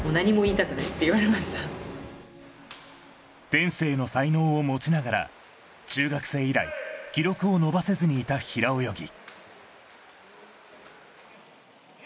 天性の才能を持ちながら中学生以来記録を伸ばせずにいた平泳ぎ